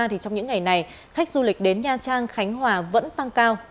trong những ngày này khách du lịch đến nha trang khánh hòa vẫn tăng cao